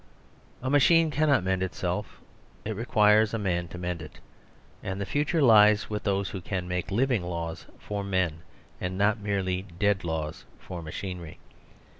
A machine can not mend itself; it requires a man to mend it; and the future lies with those who can make living laws for men and not merely dead laws for machinery.